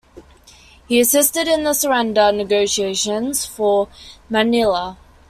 He assisted in the surrender negotiations for Manila.